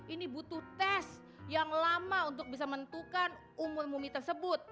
ini butuh tes yang lama untuk bisa menentukan umur mumi tersebut